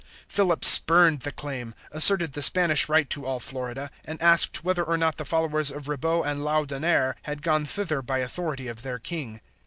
Philip spurned the claim, asserted the Spanish right to all Florida, and asked whether or not the followers of Ribaut and Laudonniere had gone thither by authority of their King.